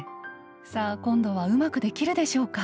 さあ今度はうまくできるでしょうか？